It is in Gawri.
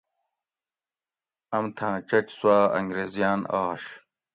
امتھاں چچ سوا انگریزیان آش